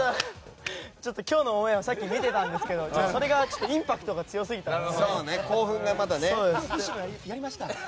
ちょっと今日のオンエアをさっき見ていたんですけどそれがちょっとインパクトが強すぎたので。